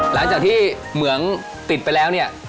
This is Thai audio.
หลังจากที่เหมืองติดไปแล้วเนี่ย